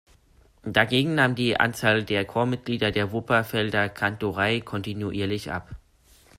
Dagegen nahm die Anzahl der Chormitglieder der Wupperfelder Kantorei kontinuierlich ab.